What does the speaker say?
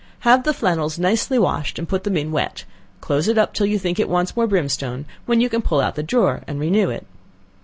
Have the flannels nicely washed, and put them in wet, close it up till you think it wants more brimstone, when you can pull out the drawer and renew it.